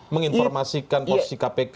menginformasikan posisi kpk